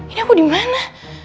ini aku di mana